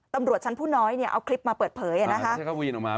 ตำรวจชั้นผู้น้อยเนี่ยเอาคลิปมาเปิดเผยออกมา